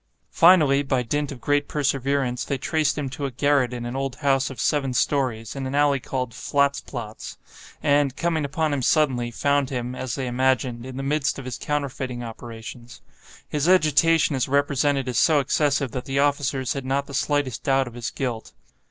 Finally, by dint of great perseverance, they traced him to a garret in an old house of seven stories, in an alley called Flatzplatz,—and, coming upon him suddenly, found him, as they imagined, in the midst of his counterfeiting operations. His agitation is represented as so excessive that the officers had not the slightest doubt of his guilt.